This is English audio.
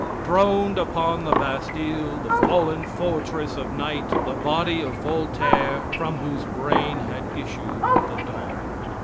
Throned upon the Bastille, the fallen fortress of night, the body of Voltaire, from whose brain had issued the dawn.